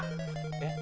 えっ？